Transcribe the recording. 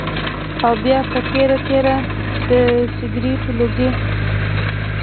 او بيا پۀ تېره تېره د سګرټو لوګی